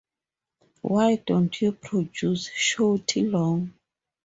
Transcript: Why don't you produce Shorty Long?